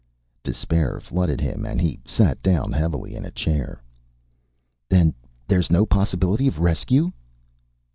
Despair flooded him and he sat down heavily in a chair. "Then there's no possibility of rescue?"